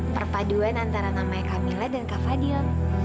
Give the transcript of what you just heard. perpaduan antara namanya camilla dan kak fadil